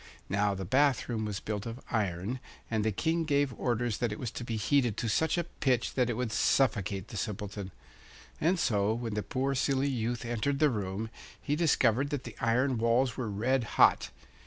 Now the bath room was built of iron, and the King gave orders that it was to be heated to such a pitch that it would suffocate the Simpleton. And so when the poor silly youth entered the room, he discovered that the iron walls were red hot.